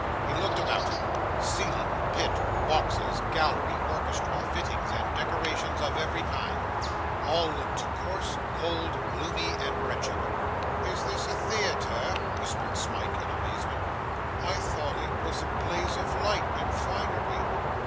He looked about him; ceiling, pit, boxes, gallery, orchestra, fittings, and decorations of every kind, all looked coarse, cold, gloomy, and wretched. 'Is this a theatre?' whispered Smike, in amazement; 'I thought it was a blaze of light and finery.